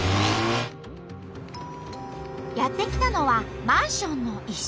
やって来たのはマンションの一室。